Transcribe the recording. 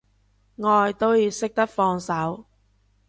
愛都要識得放手